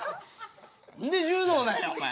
何で柔道なんやお前。